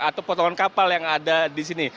atau potongan kapal yang ada di sini